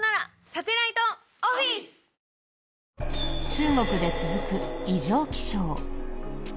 中国で続く異常気象。